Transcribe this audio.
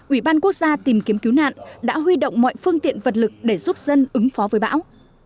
ủy ban quốc gia tìm kiếm cứu nạn đã huy động mọi phương tiện vật lực để giúp dân ứng phó với bão